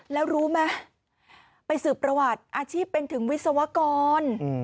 แล้วรู้ไหมไปสืบประวัติอาชีพเป็นถึงวิศวกร